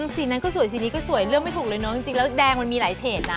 สีนั้นก็สวยสีนี้ก็สวยเลือกไม่ถูกเลยเนอะจริงแล้วแดงมันมีหลายเฉดนะ